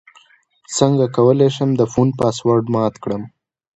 څنګه کولی شم د فون پاسورډ مات کړم